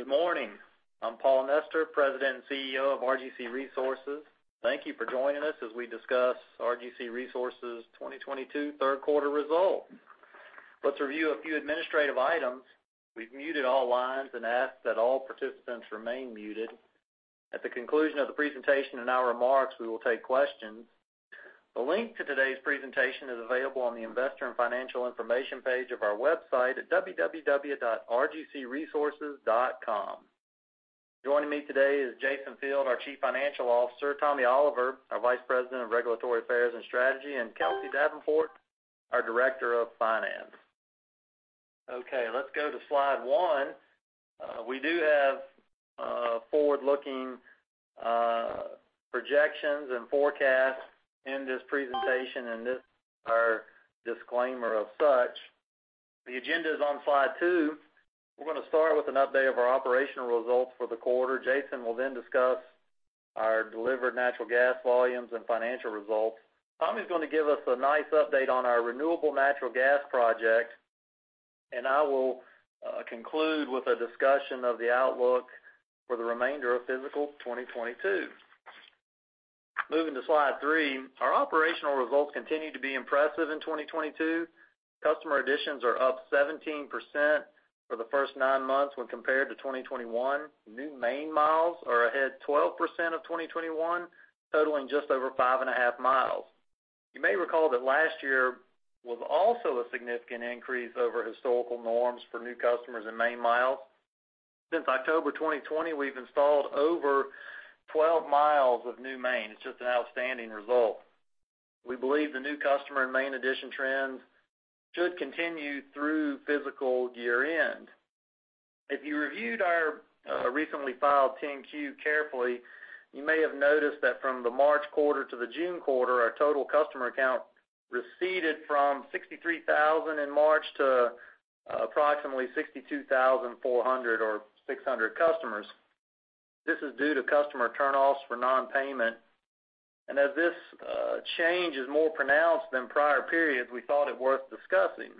Good morning. I'm Paul Nestor, President and CEO of RGC Resources. Thank you for joining us as we discuss RGC Resources 2022 Third Quarter Results. Let's review a few administrative items. We've muted all lines and ask that all participants remain muted. At the conclusion of the presentation and our remarks, we will take questions. A link to today's presentation is available on the investor and financial information page of our website at www.rgcresources.com. Joining me today is Jason Field, our Chief Financial Officer, Tommy Oliver, our Vice President of Regulatory Affairs and Strategy, and Kelsey Davenport, our Director of Finance. Okay, let's go to slide one. We do have forward-looking projections and forecasts in this presentation, and this is our disclaimer of such. The agenda is on slide two. We're gonna start with an update of our operational results for the quarter. Jason will then discuss our delivered natural gas volumes and financial results. Tommy's gonna give us a nice update on our renewable natural gas project, and I will conclude with a discussion of the outlook for the remainder of fiscal 2022. Moving to slide three, our operational results continued to be impressive in 2022. Customer additions are up 17% for the first nine months when compared to 2021. New main miles are ahead 12% of 2021, totaling just over 5.5 miles. You may recall that last year was also a significant increase over historical norms for new customers and main miles. Since October 2020, we've installed over 12 miles of new main. It's just an outstanding result. We believe the new customer and main addition trends should continue through fiscal year-end. If you reviewed our recently filed 10-Q carefully, you may have noticed that from the March quarter to the June quarter, our total customer count receded from 63,000 in March to approximately 62,400 or 62,600 customers. This is due to customer turn-offs for non-payment. As this change is more pronounced than prior periods, we thought it worth discussing.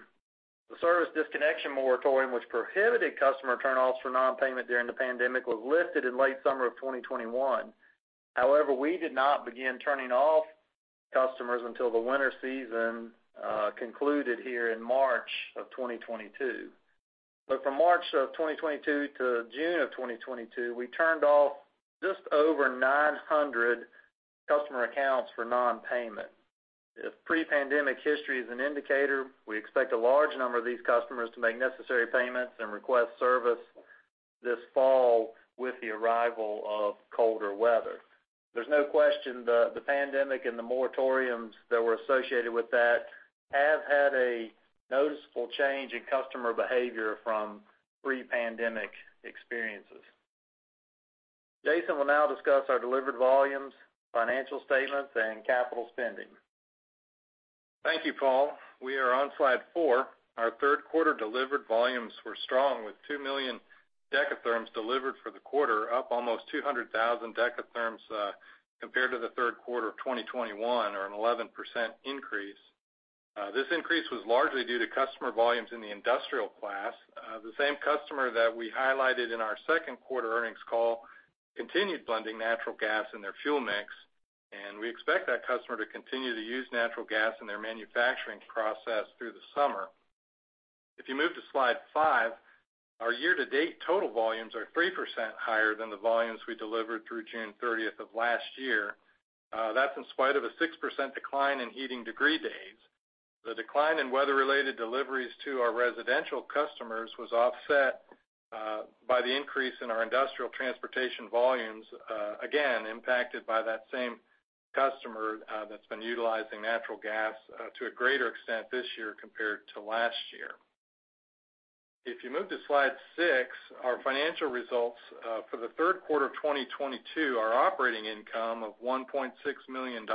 The service disconnection moratorium, which prohibited customer turn-offs for non-payment during the pandemic, was lifted in late summer of 2021. However, we did not begin turning off customers until the winter season concluded here in March of 2022. From March of 2022 to June of 2022, we turned off just over 900 customer accounts for non-payment. If pre-pandemic history is an indicator, we expect a large number of these customers to make necessary payments and request service this fall with the arrival of colder weather. There's no question the pandemic and the moratoriums that were associated with that have had a noticeable change in customer behavior from pre-pandemic experiences. Jason will now discuss our delivered volumes, financial statements, and capital spending. Thank you, Paul. We are on slide four. Our third quarter delivered volumes were strong, with 2 million dekatherms delivered for the quarter, up almost 200,000 dekatherms compared to the third quarter of 2021 or an 11% increase. This increase was largely due to customer volumes in the industrial class. The same customer that we highlighted in our second quarter earnings call continued blending natural gas in their fuel mix, and we expect that customer to continue to use natural gas in their manufacturing process through the summer. If you move to slide five, our year-to-date total volumes are 3% higher than the volumes we delivered through June 30 of last year. That's in spite of a 6% decline in heating degree days. The decline in weather-related deliveries to our residential customers was offset by the increase in our industrial transportation volumes, again impacted by that same customer that's been utilizing natural gas to a greater extent this year compared to last year. If you move to slide 6, our financial results for the third quarter of 2022, our operating income of $1.6 million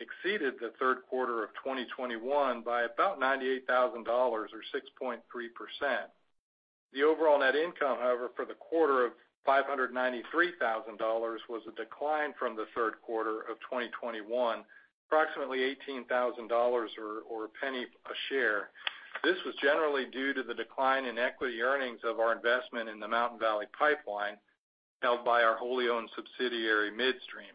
exceeded the third quarter of 2021 by about $98,000 or 6.3%. The overall net income, however, for the quarter of $593,000 was a decline from the third quarter of 2021, approximately $18,000 or a penny a share. This was generally due to the decline in equity earnings of our investment in the Mountain Valley Pipeline, held by our wholly owned subsidiary, Midstream.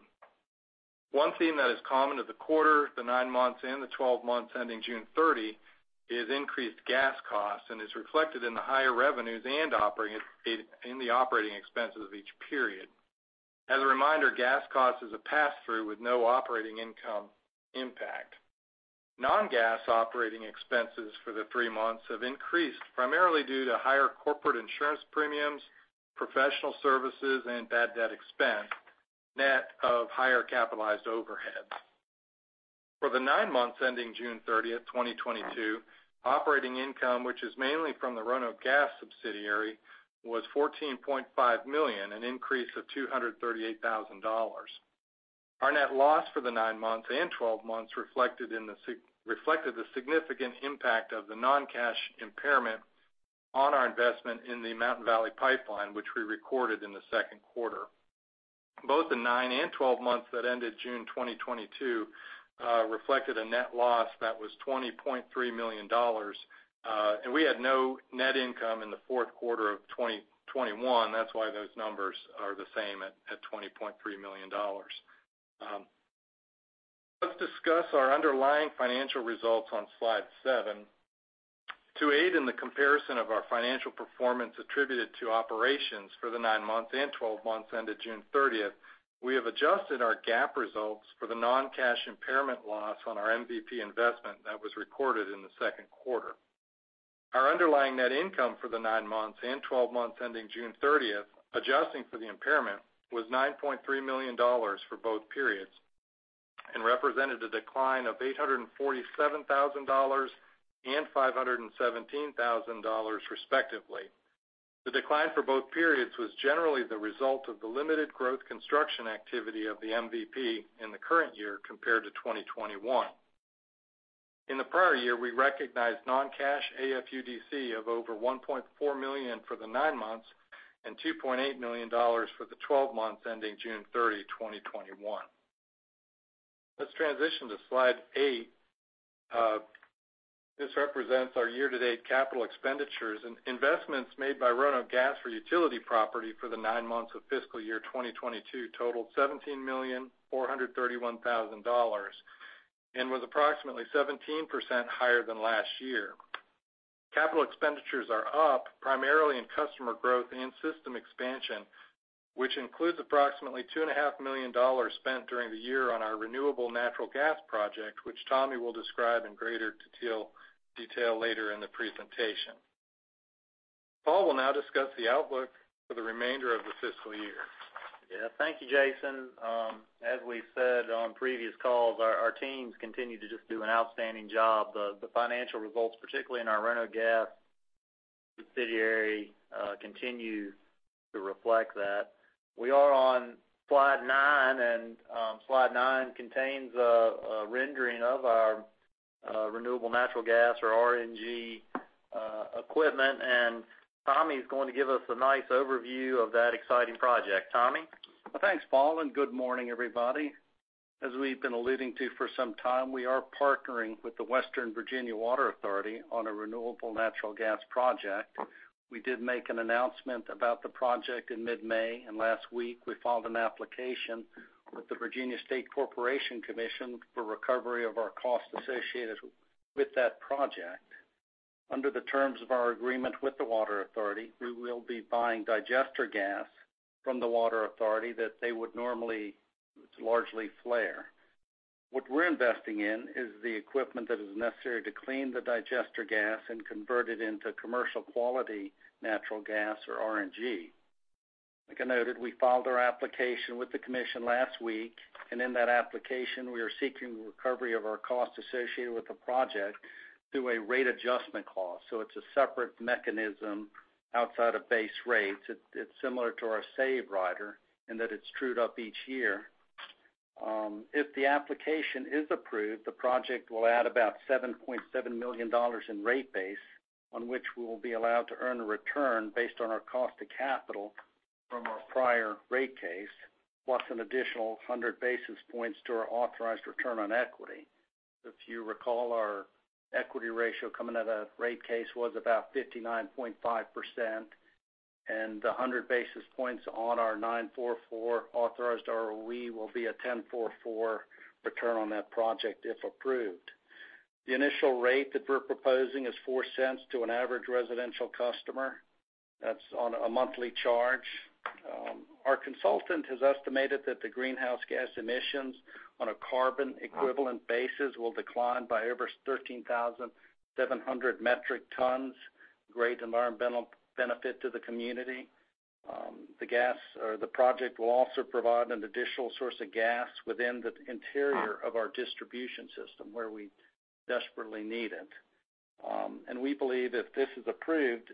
One theme that is common to the quarter, the nine months, and the twelve months ending June 30, is increased gas costs and is reflected in the higher revenues and operating expenses of each period. As a reminder, gas cost is a pass-through with no operating income impact. Non-gas operating expenses for the three months have increased, primarily due to higher corporate insurance premiums, professional services, and bad debt expense, net of higher capitalized overhead. For the nine months ending June 30, 2022, operating income, which is mainly from the Roanoke Gas Company subsidiary, was $14.5 million, an increase of $238,000. Our net loss for the nine months and 12 months reflected the significant impact of the non-cash impairment on our investment in the Mountain Valley Pipeline, which we recorded in the second quarter. Both the nine and 12 months that ended June 2022 reflected a net loss that was $20.3 million. We had no net income in the fourth quarter of 2021. That's why those numbers are the same at $20.3 million. Let's discuss our underlying financial results on slide 7. To aid in the comparison of our financial performance attributed to operations for the nine months and 12 months ended June 30, we have adjusted our GAAP results for the non-cash impairment loss on our MVP investment that was recorded in the second quarter. Our underlying net income for the 9 months and 12 months ending June 30, adjusting for the impairment, was $9.3 million for both periods and represented a decline of $847,000 and $517,000, respectively. The decline for both periods was generally the result of the limited growth construction activity of the MVP in the current year compared to 2021. In the prior year, we recognized non-cash AFUDC of over $1.4 million for the 9 months and $2.8 million for the 12 months ending June 30, 2021. Let's transition to slide 8. This represents our year-to-date capital expenditures and investments made by Roanoke Gas for utility property for the nine months of fiscal year 2022 totaled $17,431,000 and was approximately 17% higher than last year. Capital expenditures are up primarily in customer growth and system expansion, which includes approximately $2.5 million spent during the year on our renewable natural gas project, which Tommy will describe in greater detail later in the presentation. Paul will now discuss the outlook for the remainder of the fiscal year. Yeah. Thank you, Jason. As we've said on previous calls, our teams continue to just do an outstanding job. The financial results, particularly in our Roanoke Gas subsidiary, continue to reflect that. We are on slide nine, and slide nine contains a rendering of our renewable natural gas or RNG equipment. Tommy's going to give us a nice overview of that exciting project. Tommy? Well, thanks, Paul, and good morning, everybody. As we've been alluding to for some time, we are partnering with the Western Virginia Water Authority on a renewable natural gas project. We did make an announcement about the project in mid-May, and last week we filed an application with the Virginia State Corporation Commission for recovery of our costs associated with that project. Under the terms of our agreement with the Water Authority, we will be buying digester gas from the Water Authority that they would normally largely flare. What we're investing in is the equipment that is necessary to clean the digester gas and convert it into commercial quality natural gas or RNG. Like I noted, we filed our application with the commission last week, and in that application, we are seeking recovery of our costs associated with the project through a rate adjustment clause. It's a separate mechanism outside of base rates. It's similar to our SAVE rider in that it's trued up each year. If the application is approved, the project will add about $7.7 million in rate base, on which we will be allowed to earn a return based on our cost to capital from our prior rate case, plus an additional 100 basis points to our authorized return on equity. If you recall, our equity ratio coming out of rate case was about 59.5%, and the 100 basis points on our 9.44 authorized ROE will be a 10.44 return on that project if approved. The initial rate that we're proposing is $0.04 to an average residential customer. That's on a monthly charge. Our consultant has estimated that the greenhouse gas emissions on a carbon equivalent basis will decline by over 13,700 metric tons, great environmental benefit to the community. The project will also provide an additional source of gas within the interior of our distribution system, where we desperately need it. We believe if this is approved,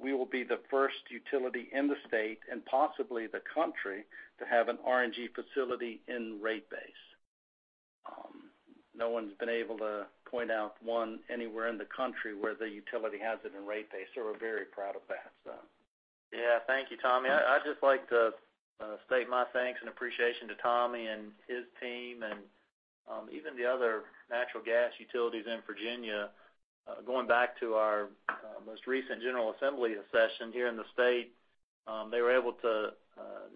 we will be the first utility in the state and possibly the country to have an RNG facility in rate base. No one's been able to point out one anywhere in the country where the utility has it in rate base. We're very proud of that. Yeah. Thank you, Tommy. I'd just like to state my thanks and appreciation to Tommy and his team and even the other natural gas utilities in Virginia. Going back to our most recent General Assembly session here in the state, they were able to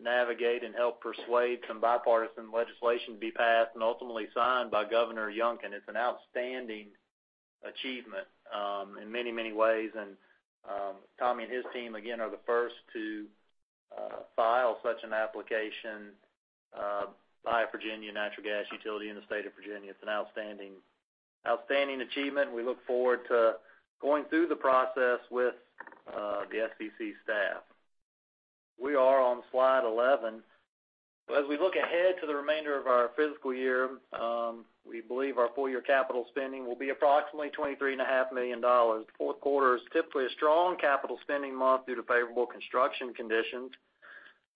navigate and help persuade some bipartisan legislation be passed and ultimately signed by Governor Youngkin. It's an outstanding achievement in many, many ways. Tommy and his team, again, are the first to file such an application by a Virginia natural gas utility in the state of Virginia. It's an outstanding achievement. We look forward to going through the process with the SCC staff. We are on slide 11. As we look ahead to the remainder of our fiscal year, we believe our full year capital spending will be approximately $23 and a half million. The fourth quarter is typically a strong capital spending month due to favorable construction conditions.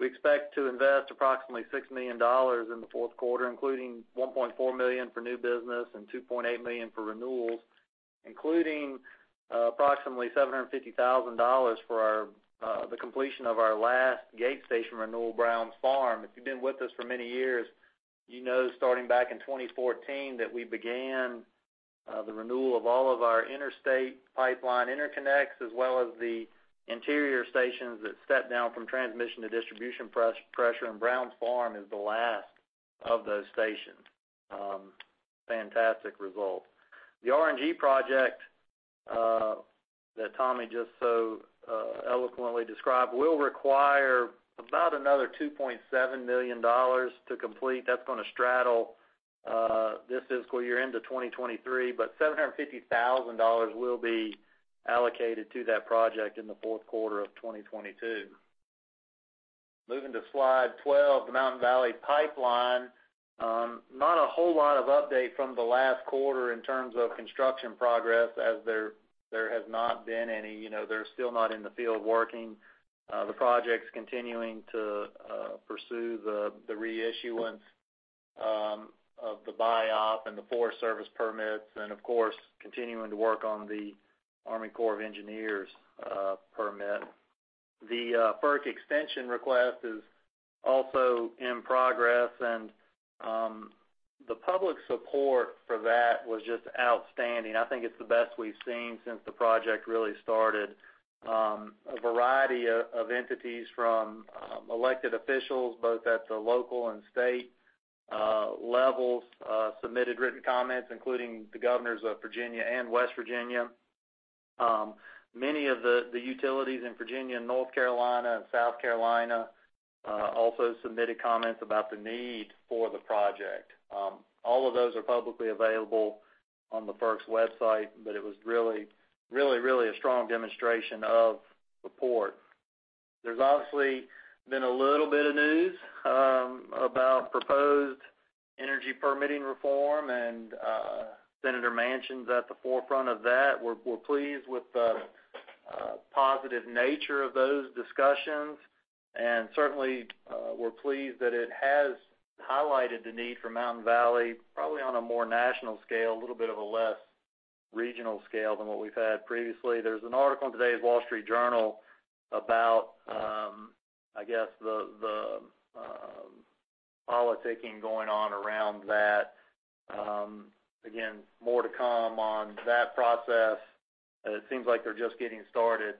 We expect to invest approximately $6 million in the fourth quarter, including $1.4 million for new business and $2.8 million for renewals, including approximately $750,000 for the completion of our last gate station renewal, Browns Farm. If you've been with us for many years, you know starting back in 2014 that we began the renewal of all of our interstate pipeline interconnects, as well as the interior stations that step down from transmission to distribution pressure, and Browns Farm is the last of those stations. Fantastic result. The RNG project that Tommy just so eloquently described will require about another $2.7 million to complete. That's gonna straddle this fiscal year into 2023, but $750,000 will be allocated to that project in the fourth quarter of 2022. Moving to slide 12, the Mountain Valley Pipeline. Not a whole lot of update from the last quarter in terms of construction progress as there has not been any. You know, they're still not in the field working. The project's continuing to pursue the reissuance of the BiOp and the Forest Service permits, and of course, continuing to work on the Army Corps of Engineers permit. The FERC extension request is also in progress, and the public support for that was just outstanding. I think it's the best we've seen since the project really started. A variety of entities from elected officials, both at the local and state levels, submitted written comments, including the governors of Virginia and West Virginia. Many of the utilities in Virginia and North Carolina and South Carolina also submitted comments about the need for the project. All of those are publicly available on the FERC's website, but it was really a strong demonstration of support. There's obviously been a little bit of news about proposed energy permitting reform and Senator Manchin's at the forefront of that. We're pleased with the positive nature of those discussions, and certainly, we're pleased that it has highlighted the need for Mountain Valley, probably on a more national scale, a little bit of a less regional scale than what we've had previously. There's an article in today's Wall Street Journal about, I guess the politicking going on around that. Again, more to come on that process. It seems like they're just getting started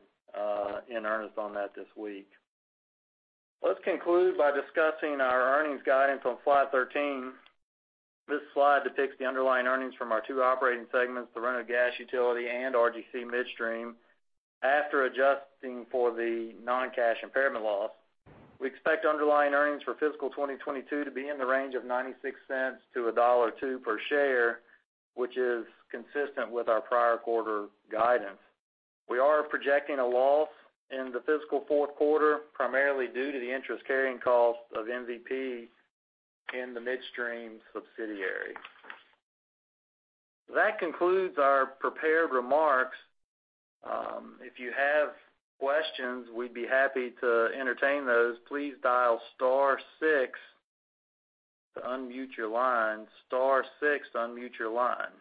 in earnest on that this week. Let's conclude by discussing our earnings guidance on slide 13. This slide depicts the underlying earnings from our two operating segments, the Roanoke Gas Utility and RGC Midstream. After adjusting for the non-cash impairment loss, we expect underlying earnings for fiscal 2022 to be in the range of $0.96-$1.02 per share, which is consistent with our prior quarter guidance. We are projecting a loss in the fiscal fourth quarter, primarily due to the interest carrying cost of MVP in the midstream subsidiary. That concludes our prepared remarks. If you have questions, we'd be happy to entertain those. Please dial star six to unmute your line. Star six to unmute your line.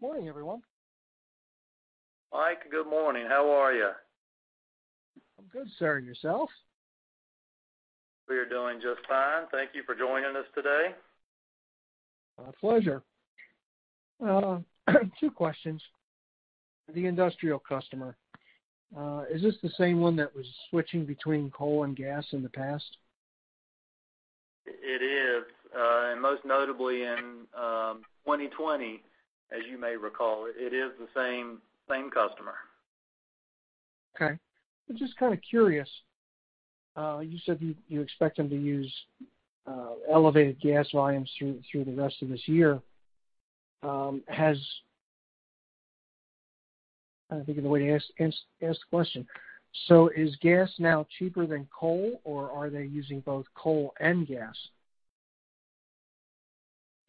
Morning, everyone. Mike, good morning. How are you? I'm good, sir. Yourself? We are doing just fine. Thank you for joining us today. My pleasure. Two questions. The industrial customer, is this the same one that was switching between coal and gas in the past? It is and most notably in 2020, as you may recall. It is the same customer. Okay. I'm just kind of curious. You said you expect them to use elevated gas volumes through the rest of this year. I'm trying to think of the way to ask this question. Is gas now cheaper than coal, or are they using both coal and gas?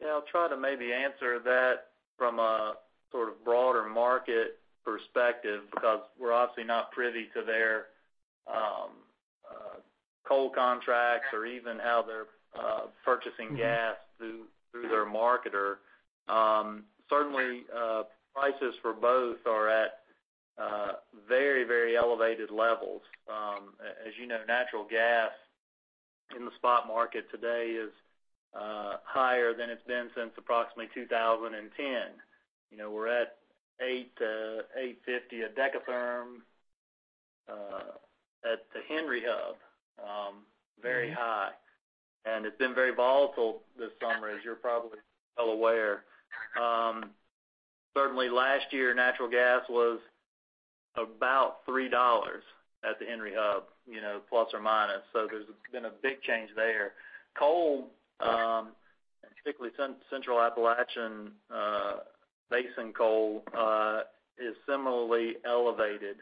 Yeah, I'll try to maybe answer that from a sort of broader market perspective because we're obviously not privy to their coal contracts or even how they're purchasing gas through their marketer. Certainly, prices for both are at very, very elevated levels. As you know, natural gas in the spot market today is higher than it's been since approximately 2010. You know, we're at $8-$8.50 a dekatherm at the Henry Hub, very high. It's been very volatile this summer, as you're probably well aware. Certainly last year, natural gas was about $3 at the Henry Hub, you know, plus or minus. There's been a big change there. Coal and particularly Central Appalachian Basin coal is similarly elevated.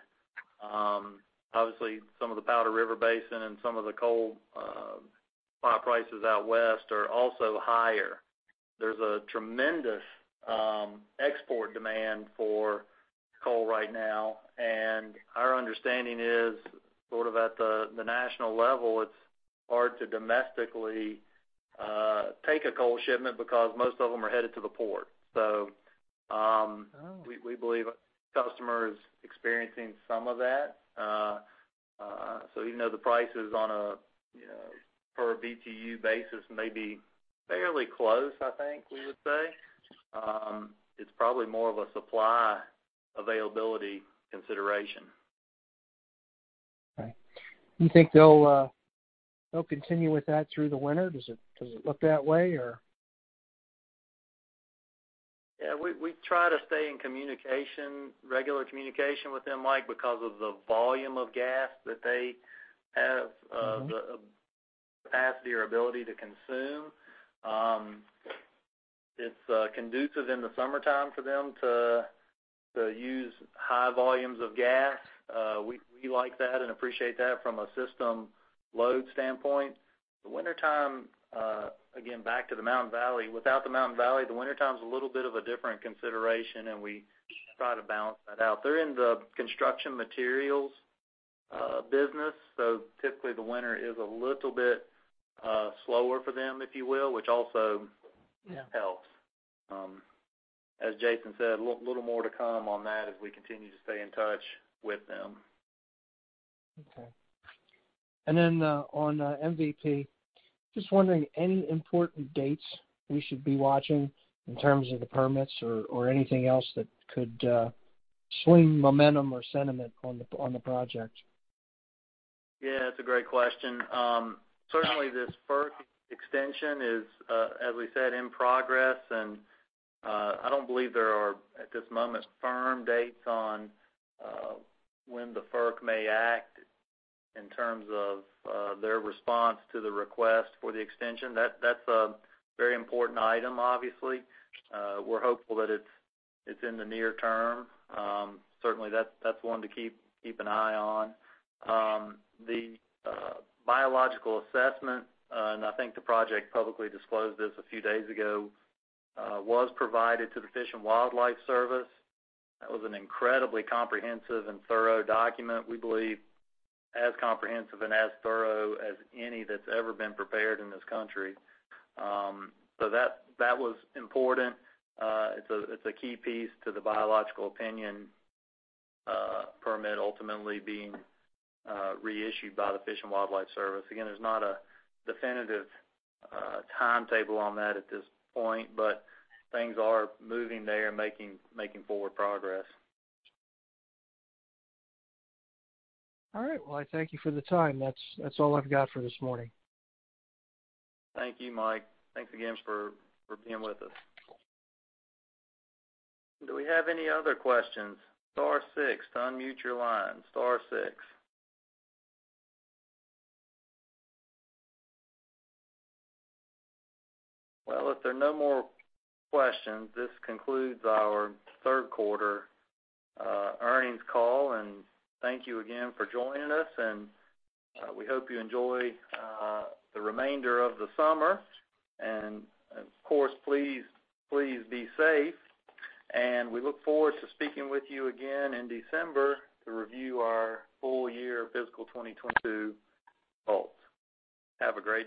Obviously some of the Powder River Basin and some of the coal prices out west are also higher. There's a tremendous export demand for coal right now, and our understanding is sort of at the national level, it's hard to domestically take a coal shipment because most of them are headed to the port. Oh. We believe customer is experiencing some of that. Even though the price is on a you know per BTU basis may be fairly close, I think we would say it's probably more of a supply availability consideration. All right. You think they'll continue with that through the winter? Does it look that way or? Yeah, we try to stay in communication, regular communication with them, Mike, because of the volume of gas that they have. Mm-hmm. The capacity or ability to consume. It's conducive in the summertime for them to use high volumes of gas. We like that and appreciate that from a system load standpoint. The wintertime, again, back to the Mountain Valley. Without the Mountain Valley, the wintertime's a little bit of a different consideration, and we try to balance that out. They're in the construction materials business, so typically the winter is a little bit slower for them, if you will, which also- Yeah. Helps. As Jason said, a little more to come on that as we continue to stay in touch with them. Okay. On MVP, just wondering any important dates we should be watching in terms of the permits or anything else that could swing momentum or sentiment on the project? Yeah, that's a great question. Certainly this FERC extension is, as we said, in progress. I don't believe there are, at this moment, firm dates on, when the FERC may act in terms of, their response to the request for the extension. That's a very important item, obviously. We're hopeful that it's in the near term. Certainly that's one to keep an eye on. The biological assessment, and I think the project publicly disclosed this a few days ago, was provided to the Fish and Wildlife Service. That was an incredibly comprehensive and thorough document, we believe as comprehensive and as thorough as any that's ever been prepared in this country. That was important. It's a key piece to the biological opinion permit ultimately being reissued by the Fish and Wildlife Service. Again, there's not a definitive timetable on that at this point, but things are moving there, making forward progress. All right. Well, I thank you for the time. That's all I've got for this morning. Thank you, Mike. Thanks again for being with us. Do we have any other questions? Star six to unmute your line, star six. Well, if there are no more questions, this concludes our Third Quarter Earnings Call. Thank you again for joining us, and we hope you enjoy the remainder of the summer. Of course, please be safe. We look forward to speaking with you again in December to review our full year fiscal 2022 results. Have a great day.